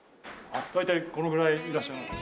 大体このぐらいいらっしゃいます。